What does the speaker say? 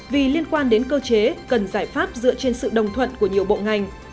vì liên quan đến cơ chế cần giải pháp dựa trên sự đồng thuận của nhiều bộ ngành